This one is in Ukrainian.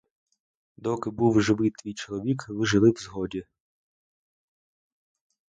Доки був живий твій чоловік, ви жили в згоді.